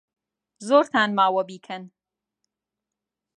زۆرتان ماوە بیکەن.